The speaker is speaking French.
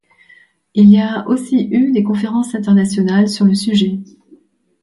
Il y a aussi eu des conférences internationales sur le sujet.